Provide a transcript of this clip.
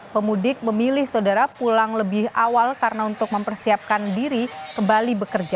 pemudik memilih saudara pulang lebih awal karena untuk mempersiapkan diri kembali bekerja